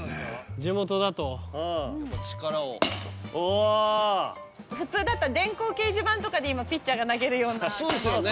地元だとやっぱ力をおお普通だったら電光掲示板とかで今ピッチャーが投げるようなそうですよね